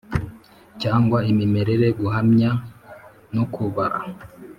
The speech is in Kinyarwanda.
cyangwa imimerere, guhamya no kubara.